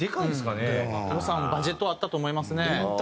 予算バジェットはあったと思いますね。